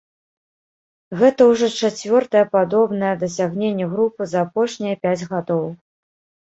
Гэта ўжо чацвёртае падобнае дасягненне групы за апошнія пяць гадоў.